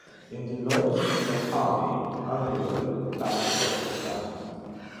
In the north is the high, uneroded Bagshot Sand.